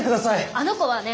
あの子はね